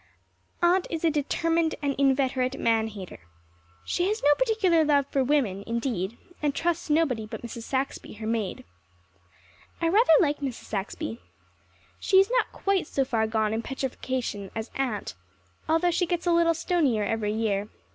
Aunt is a determined and inveterate man hater. She has no particular love for women, indeed, and trusts nobody but Mrs. Saxby, her maid. I rather like Mrs. Saxby. She is not quite so far gone in petrifaction as Aunt, although she gets a little stonier every year.